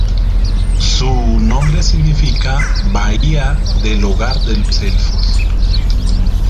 Su nombre significa "Bahía del Hogar de los Elfos".